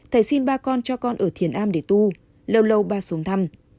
thầy xin ba con cho con ở thiền a để tu lâu lâu ba xuống thăm